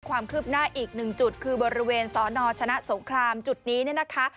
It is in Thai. ความคืบหน้าอีกหนึ่งจุดคือบริเวณสนชนะสงครามจุดนี้เนี่ยนะคะ